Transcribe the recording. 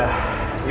apa yang ada